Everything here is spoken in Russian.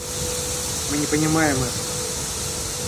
Мы не понимаем этого.